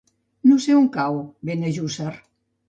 No sé on cau Benejússer.